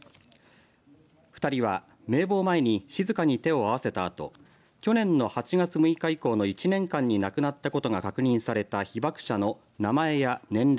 ２人は、名簿を前に静かに手を合わせたあと去年の８月６日以降の１年間に亡くなったことが確認された被爆者の名前や年齢